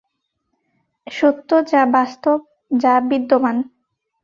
সত্য যা বাস্তব, যা বিদ্যমান।